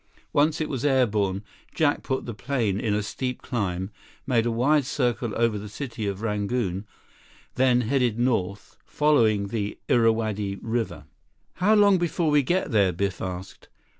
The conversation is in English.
Once it was air borne, Jack put the plane in a steep climb, made a wide circle over the city of Rangoon, then headed north, following the Irrawaddy River. 40 "How long before we get there?" Biff asked.